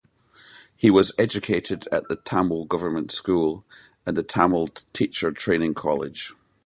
He was educated at the Tamale Government School and the Tamale Teacher Training College.